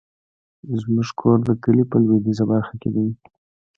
زمونږ کور د کلي په لويديځه برخه کې ده